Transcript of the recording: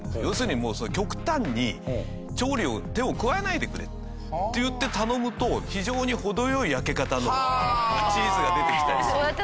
要するにもう極端に調理を手を加えないでくれって言って頼むと非常に程よい焼け方のチーズが出てきたりする。